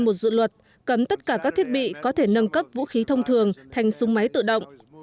một dự luật cấm tất cả các thiết bị có thể nâng cấp vũ khí thông thường thành súng máy tự động